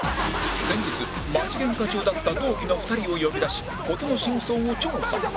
先日マジゲンカ中だった同期の２人を呼び出し事の真相を調査